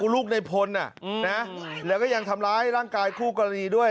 ลูกในพลแล้วก็ยังทำร้ายร่างกายคู่กรณีด้วย